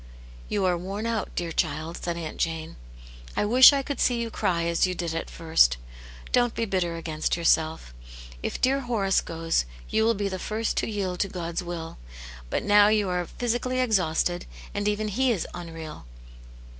" You are worn out, dear child," said Aunt Jane. " I wish I could see you cry as you did at first.' Don't be bitter against yourself. If dear Horace goes, you will be the first to yield to God's wilf. But now you are physically exhausted, and even He is unreal.